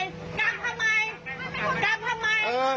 ฮัลโหลมองหน้าทำไมกับทำไมกับทำไม